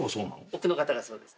奥の方がそうです。